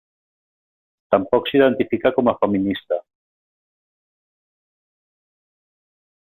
Tampoc s'identifica com a feminista.